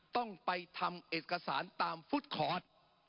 ต้องไปทำเอกสารตามฟุตคอร์ด